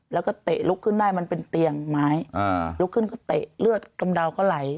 แล้วก็เตะลุกขึ้นได้มันเป็นเตียงไม้อ่าลุกขึ้นก็เตะเลือดกำเดาก็ไหล